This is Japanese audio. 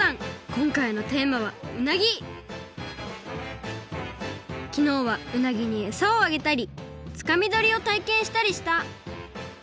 こんかいのテーマはきのうはうなぎにエサをあげたりつかみどりをたいけんしたりした。